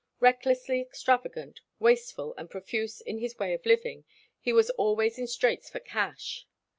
Recklessly extravagant, wasteful and profuse in his way of living, he was always in straits for cash.